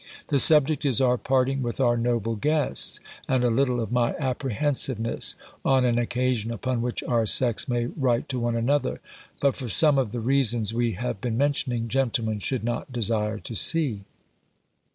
The subject is our parting with our noble guests; and a little of my apprehensiveness, on an occasion upon which our sex may write to one another; but, for some of the reasons we have been mentioning, gentlemen should not desire to see."